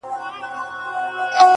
هر اندام یې د ښکلا په تول تللی.!